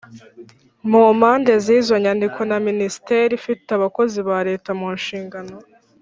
mu mpande z izo nyandiko na Minisiteri ifite abakozi ba Leta mu nshingano